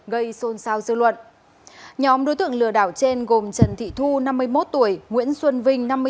gây xôn xao dư luận nhóm đối tượng lừa đảo trên gồm trần thị thu năm mươi một tuổi nguyễn xuân vinh